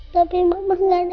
tapi mama gak datang pa